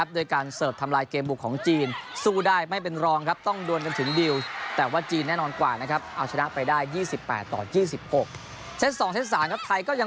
โดยการเสิร์ฟทำลายเกมหลุกของจีน